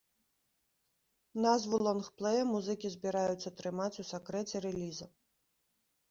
Назву лонгплэя музыкі збіраюцца трымаць у сакрэце рэліза.